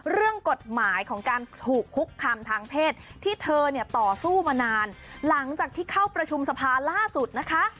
เรื่องกฎหมายของการถูกคุกคามทางเพศที่เธอเนี่ยต่อสู้มานานหลังจากที่เข้าประชุมสภาล่าสุดนะคะ